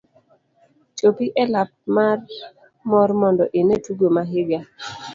Chopi e alap mar mor mondo ine tugo ma higa.